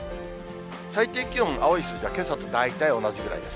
最低気温、青い数字はけさと大体同じぐらいです。